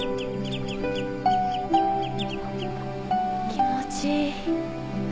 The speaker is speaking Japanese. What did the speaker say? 気持ちいい。